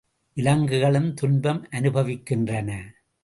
விலங்குகளும் துன்பம் அனுபவிக்கின்றன.